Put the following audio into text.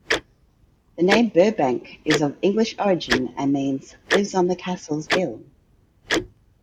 The name Burbank is of English origin and means "lives on the castle's hill".